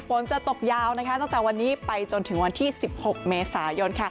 ฝนจะตกยาวตั้งแต่วันนี้ไปจนถึงวันที่๑๖เมษายน